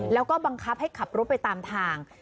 แล้วก็บังคับให้ขับรถไปตามทาง